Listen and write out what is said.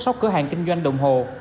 sóc cửa hàng kinh doanh đồng hồ